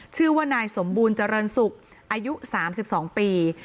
ชื่อว่านายสมบูรณ์เจริญศุกร์อายุ๓๒ปี